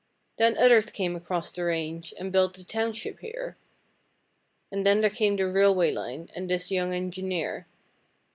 'Then others came across the range and built the township here, And then there came the railway line and this young engineer.